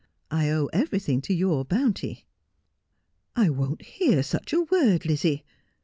I owe everything to your bounty.' ' I won't hear such a word, Lizzie.